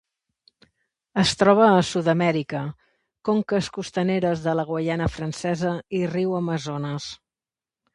Es troba a Sud-amèrica: conques costaneres de la Guaiana Francesa i riu Amazones.